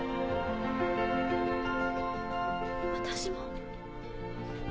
私も。